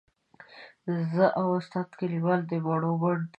زه او استاد کلیوال د مڼو بڼ ته ووتو.